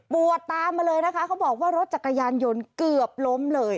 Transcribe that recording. วดตามมาเลยนะคะเขาบอกว่ารถจักรยานยนต์เกือบล้มเลย